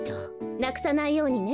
なくさないようにね。